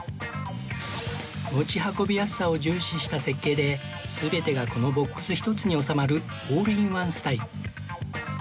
持ち運びやすさを重視した設計で全てがこのボックス１つに収まるオールインワンスタイル